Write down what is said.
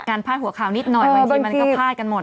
พาดหัวข่าวนิดหน่อยบางทีมันก็พลาดกันหมด